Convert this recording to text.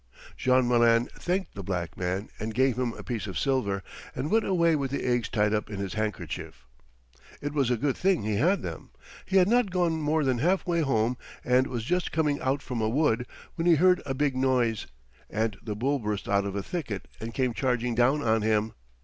Jean Malin thanked the black man and gave him a piece of silver, and went away with the eggs tied up in his handkerchief. It was a good thing he had them. He had not gone more than halfway home, and was just coming out from a wood, when he heard a big noise, and the bull burst out of a thicket and came charging down on him.